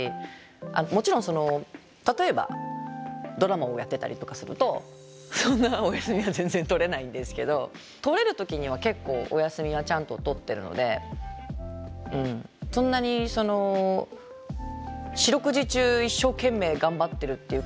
もちろん例えばドラマをやってたりとかするとそんなお休みは全然取れないんですけど取れる時には結構お休みはちゃんと取ってるのでそんなに四六時中一生懸命頑張ってるっていう感じではないです。